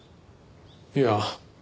いや。